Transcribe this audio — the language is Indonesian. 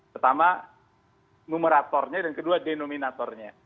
pertama numeratornya dan kedua denominatornya